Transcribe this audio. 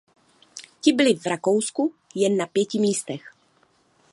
Ti byli v Rakousku jen na pěti místech.